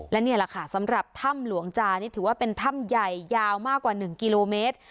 และนี่แหละค่ะสำหรับถ้ำหลวงจานี่ถือว่าเป็นถ้ำใหญ่ยาวมากกว่า๑กิโลเมตร